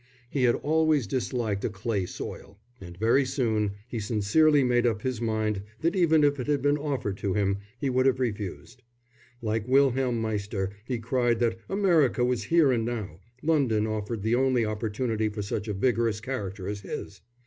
He had always disliked a clay soil. And very soon he sincerely made up his mind that even if it had been offered to him, he would have refused. Like Wilhelm Meister he cried that America was here and now; London offered the only opportunity for such a vigorous character as his.